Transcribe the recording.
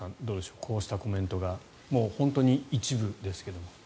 こうしたコメントが本当に一部ですけれども。